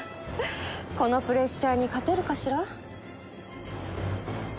このプレッシャーに勝てるかしら？